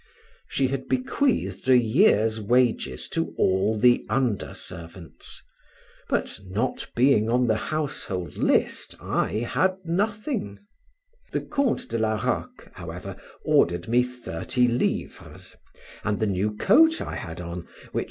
She had bequeathed a year's wages to all the under servants, but, not being on the household list, I had nothing: the Count de la Roque, however, ordered me thirty livres, and the new coat I had on, which M.